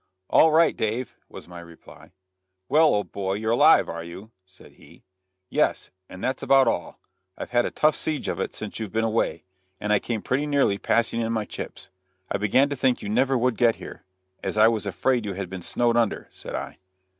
"All right, Dave," was my reply. "Well, old boy, you're alive, are you?" said he. "Yes; and that's about all. I've had a tough siege of it since you've been away, and I came pretty nearly passing in my chips. I began to think you never would get here, as I was afraid you had been snowed under," said I.